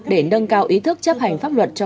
để nâng cao ý thức chấp hành pháp luật cho